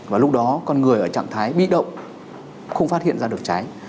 và lúc đó con người ở trạng thái bị động không phát hiện ra được cháy